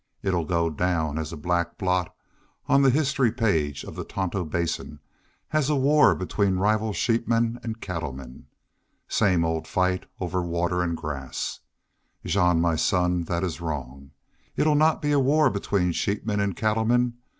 It 'll go down a black blot on the history page of the Tonto Basin as a war between rival sheepmen an' cattlemen. Same old fight over water an' grass! ... Jean, my son, that is wrong. It 'll not be a war between sheepmen an' cattlemen.